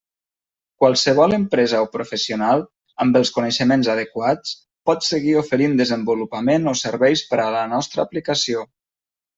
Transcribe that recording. Qualsevol empresa o professional, amb els coneixements adequats, pot seguir oferint desenvolupament o serveis per a la nostra aplicació.